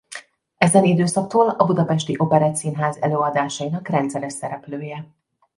Ezen időszaktól a Budapesti Operettszínház előadásainak rendszeres szereplője.